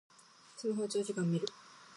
スマホを長時間みる